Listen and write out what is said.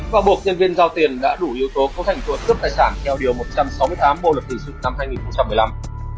và buộc nhân viên giao tiền đã đủ yếu tố cấu thành tội cướp tài sản theo điều một trăm sáu mươi tám bộ luật hình sự năm hai nghìn một mươi năm